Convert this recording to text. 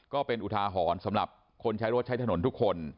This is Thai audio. ก็เป็นอุทาหรณ์สำหรับคนใช้รถใช้ถนนทุกคน